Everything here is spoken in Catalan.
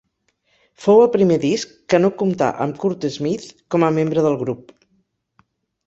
Fou el primer disc que no comptà amb Curt Smith com a membre del grup.